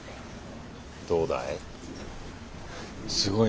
どうだい？